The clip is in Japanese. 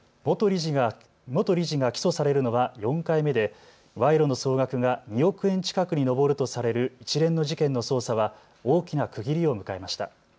元理事が起訴されるのは４回目で賄賂の総額が２億円近くに上るとされる一連の事件の捜査は大きな区切りを迎えました。